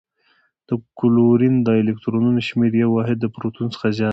د کلورین د الکترونونو شمیر یو واحد د پروتون څخه زیات دی.